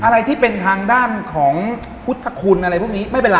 อะไรที่เป็นทางด้านของพุทธคุณอะไรพวกนี้ไม่เป็นไร